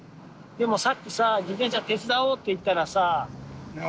でもさっきさ自転車手伝おうって言ったらさ。